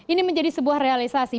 ini menjadi sebuah realisasi